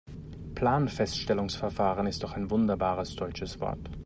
Planfeststellungsverfahren ist doch ein wunderbares deutsches Wort.